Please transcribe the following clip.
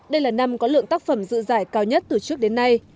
đây là năm có lượng tác phẩm dự giải cao nhất từ trước đến nay